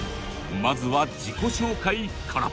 まずは自己紹介から。